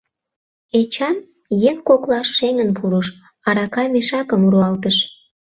Эчан еҥ коклаш шеҥын пурыш, арака мешакым руалтыш.